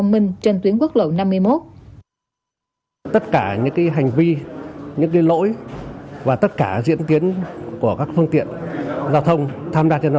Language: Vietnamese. nhân viên y tế cũng giảm theo